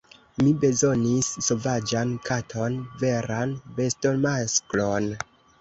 Mi bezonis sovaĝan katon, veran bestomasklon...